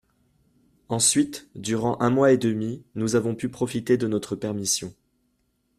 Ensuite durant un mois et demi nous avons pu profiter de notre permission